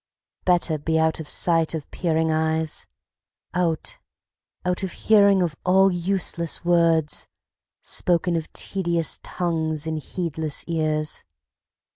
Better be out of sight of peering eyes; Out out of hearing of all useless words, Spoken of tedious tongues in heedless ears.